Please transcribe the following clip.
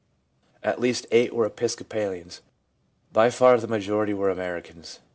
At least 8 were Episcopalians. By far the majority were Americans.